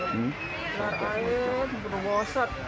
keluar air berwosot